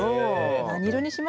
何色にします？